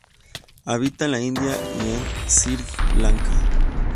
Habita en la India y en Sri Lanka.